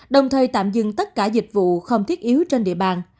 đồng thời tạm dừng tất cả dịch vụ không thiết yếu trên địa bàn